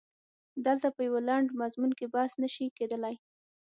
دلته په یوه لنډ مضمون کې بحث نه شي کېدلای.